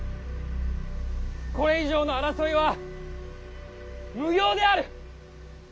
これ以上の争いは無用である！